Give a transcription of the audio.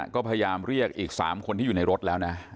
ก็พยายามเรียกอีก๓คนที่อยู่ในรถแล้วนะ